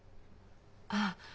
ああ。